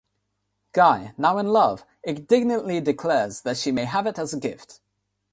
Guy, now in love, indignantly declares that she may have it as a gift.